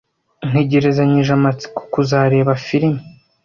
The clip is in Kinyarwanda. Ntegerezanyije amatsiko kuzareba film.